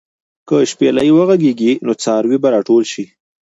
که شپېلۍ وغږېږي، نو څاروي به راټول شي.